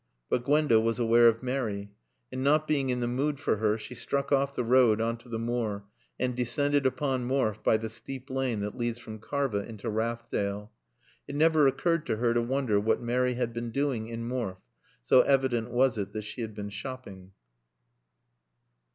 But Gwenda was aware of Mary, and, not being in the mood for her, she struck off the road on to the moor and descended upon Morfe by the steep lane that leads from Karva into Rathdale. It never occurred to her to wonder what Mary had been doing in Morfe, so evident was it that she had been shopping.